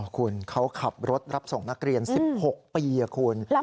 คุณเขาขับรถรับส่งนักเรียน๑๖ปีคุณ